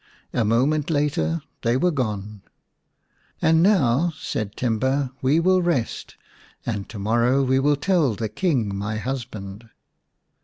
A moment later they were gone. " And now," said Timba, " we will rest, and to morrow we will tell the King, my husband."